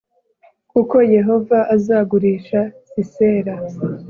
kuko Yehova azagurisha Sisera